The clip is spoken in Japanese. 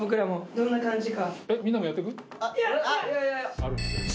どんな感じか。